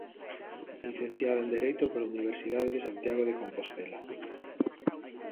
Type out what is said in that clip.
Licenciada en Dereito pola Universidade de Santiago de Compostela.